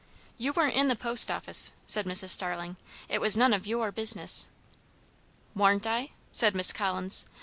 "You weren't in the post office!" said Mrs. Starling. "It was none of your business." "Warn't I?" said Miss Collins.